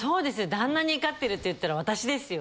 旦那に怒ってるっていったら私ですよ。